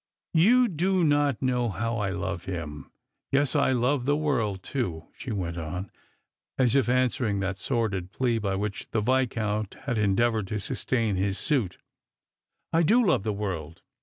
" You do not know how I love him. Yes, I love the world too," she went on, as if answering that Bordid jjlea by which the Viscount had endeavoured to sustain his suit; " I do love the world.